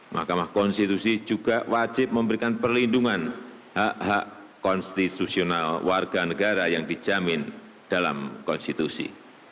mahkamah konstitusi juga wajib memberikan perlindungan hak hak konstitusional warga negara yang dijamin dalam konstitusi